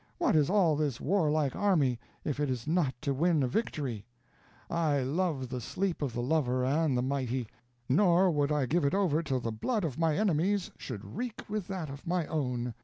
what is all this warlike army, if it is not to win a victory? I love the sleep of the lover and the mighty; nor would I give it over till the blood of my enemies should wreak with that of my own.